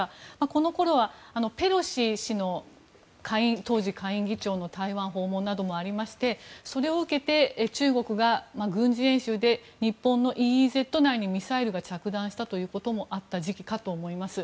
この頃はペロシ氏当時、下院議長の台湾訪問などもありましてそれを受けて中国が軍事演習で日本のＥＥＺ内にミサイルが着弾したということもあった時期かと思います。